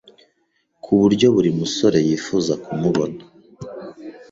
ku buryo buri musore yifuza kumubona